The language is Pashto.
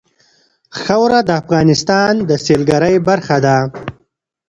خاوره د افغانستان د سیلګرۍ برخه ده.